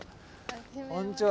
こんにちは。